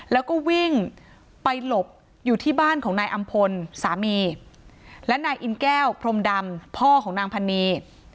แล้วก็วิ่งไปหลบอยู่ที่บ้านของนายอำพลสามีและนายอินแก้วพรมดำพ่อของนางพันนี